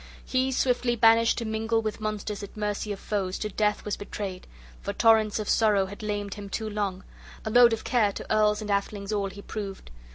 He, swiftly banished to mingle with monsters at mercy of foes, to death was betrayed; for torrents of sorrow had lamed him too long; a load of care to earls and athelings all he proved.